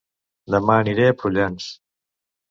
Dema aniré a Prullans